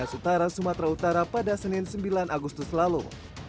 di desa sutara sumatera utara pada senin sembilan agustus lalu